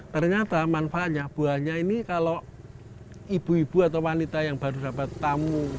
ternyata manfaatnya buahnya ini kalau ibu ibu atau wanita yang baru dapat tamu